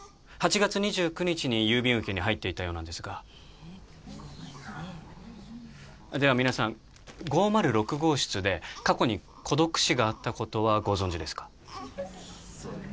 ８月２９日に郵便受けに入っていたようなんですがでは皆さん５０６号室で過去に孤独死があったことはご存じですか？